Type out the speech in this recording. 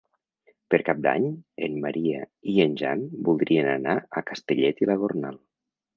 Per Cap d'Any en Maria i en Jan voldrien anar a Castellet i la Gornal.